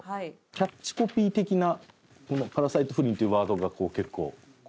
キャッチコピー的なこの「パラサイト不倫」っていうワードが結構プッシュされる。